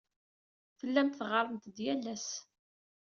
Tellamt teɣɣaremt-d yal ass.